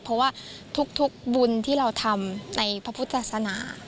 เพราะว่าทุกบุญที่เราทำในพระพุทธศาสนา